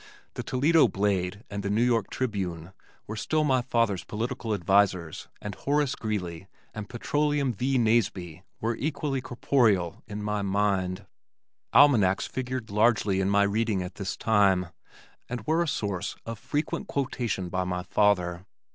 The Toledo Blade and The New York Tribune were still my father's political advisers and Horace Greeley and "Petroleum V. Nasby" were equally corporeal in my mind. Almanacs figured largely in my reading at this time, and were a source of frequent quotation by my father.